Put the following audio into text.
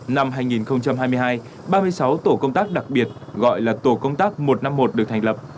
năm hai nghìn hai mươi hai ba mươi sáu tổ công tác đặc biệt gọi là tổ công tác một trăm năm mươi một được thành lập